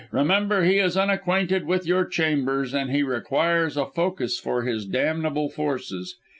Remember, he is unacquainted with your chambers and he requires a focus for his damnable forces!